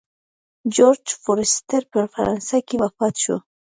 جورج فورسټر په فرانسه کې وفات شو.